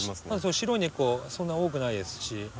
白い根っこそんな多くないですし。